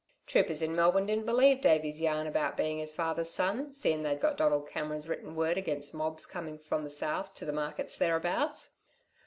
"Troopers in Melbourne didn't believe Davey's yarn about being his father's son, seein' they'd got Donald Cameron's written word against mobs coming from the South to the markets thereabouts.